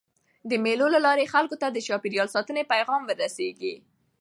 د مېلو له لاري خلکو ته د چاپېریال ساتني پیغام وررسېږي.